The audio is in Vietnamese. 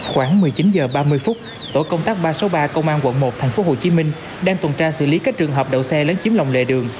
khoảng một mươi chín h ba mươi phút tổ công tác ba trăm sáu mươi ba công an quận một tp hcm đang tuần tra xử lý các trường hợp đậu xe lấn chiếm lòng lệ đường